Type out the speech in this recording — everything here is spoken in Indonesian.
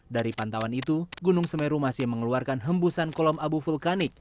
dari pantauan itu gunung semeru masih mengeluarkan hembusan kolom abu vulkanik